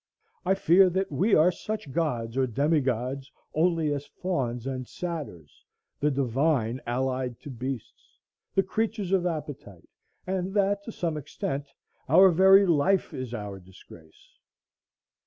I fear that we are such gods or demigods only as fauns and satyrs, the divine allied to beasts, the creatures of appetite, and that, to some extent, our very life is our disgrace.